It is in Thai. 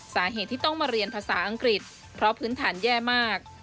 สาเหตุที่ต้องมาเรียนภาษาอังกฤษเพราะพื้นฐานแย่มาก